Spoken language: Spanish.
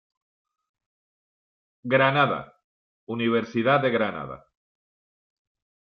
Granada: Universidad de Granada.